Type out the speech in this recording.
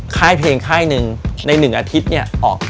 ค่ายเพลงค่ายหนึ่งในหนึ่งอาทิตย์ออก